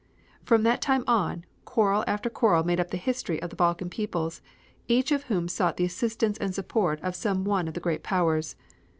From that time on, quarrel after quarrel made up the history of the Balkan peoples, each of whom sought the assistance and support of some one of the great powers.